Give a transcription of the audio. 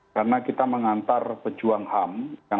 karena kita mengantar pejuang ham